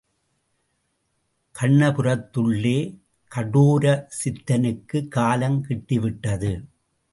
கண்ணபுரத்துள்ள கடோர சித்தனுக்குக் காலங் கிட்டிவிட்டது.